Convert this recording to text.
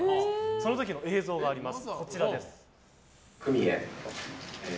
その時の映像があります。